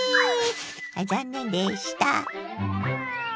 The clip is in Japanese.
あっ残念でした。